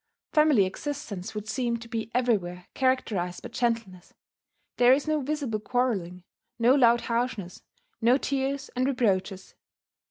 Family existence would seem to be everywhere characterized by gentleness: there is no visible quarrelling, no loud harshness, no tears and reproaches.